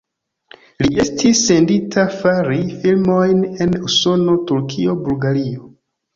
Li estis sendita fari filmojn en Usono, Turkio, Bulgario.